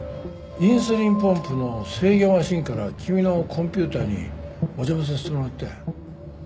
インスリンポンプの制御マシンから君のコンピューターにお邪魔させてもらったよ。